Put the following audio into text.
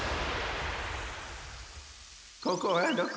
ここはどこ？